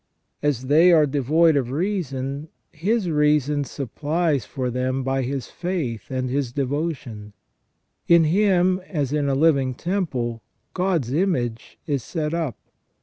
As they are devoid of reason, his reason supplies for them by his faith, and his devotion ; in him as in a living temple God's image is set up.